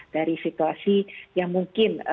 dari situasi yang mungkin